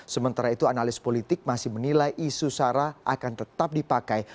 sementara itu analis politik masih menilai isu sara akan tetap dipakai